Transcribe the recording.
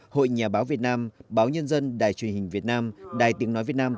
hội nhà báo việt nam báo nhân dân đài truyền hình việt nam đài tiếng nói việt nam